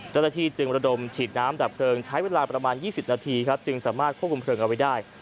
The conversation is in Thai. เจ้าหน้าที่จึงระดมฉีดน้ำดับเพลิงใช้เวลาประมาณ๒๐นาทีครับจึงสามารถควบคุมเพลิงเอาไว้ได้